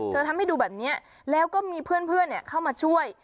ทำให้ดูแบบนี้แล้วก็มีเพื่อนเข้ามาช่วย